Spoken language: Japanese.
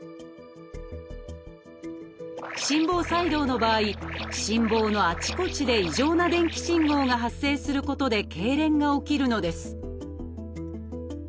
心房細動の場合心房のあちこちで異常な電気信号が発生することでけいれんが起きるのです